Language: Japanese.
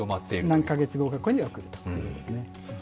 何カ月後かには来ると言うことですね。